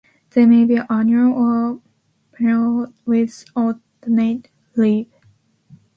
They may be annual or perennial with alternate leaves.